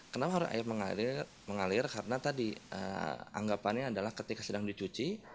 kenapa harus air mengalir karena tadi anggapannya adalah ketika sedang dicuci